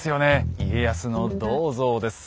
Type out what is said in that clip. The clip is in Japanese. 家康の銅像です。